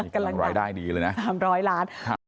อ๋อกำลังรายได้ดีเลยนะสามร้อยล้านครับ